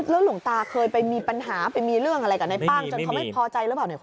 แล้วหลวงตาเคยไปมีปัญหาไปมีเรื่องอะไรกับนายป้างจนเขาไม่พอใจหรือเปล่าเนี่ย